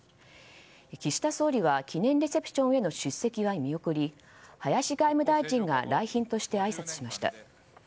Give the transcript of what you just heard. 岸田総理は記念レセプションへの出席は見送り林外務大臣が来賓としてあいさつしました。